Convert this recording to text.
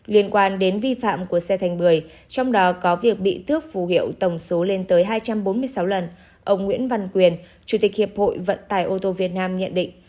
liên quan đến vi phạm của xe thành bưởi trong đó có việc bị tước phù hiệu tổng số lên tới hai trăm bốn mươi sáu lần ông nguyễn văn quyền chủ tịch hiệp hội vận tải ô tô việt nam nhận định